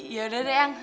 yaudah deh eyang